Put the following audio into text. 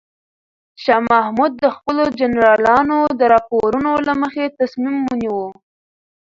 شاه محمود د خپلو جنرالانو د راپورونو له مخې تصمیم ونیو.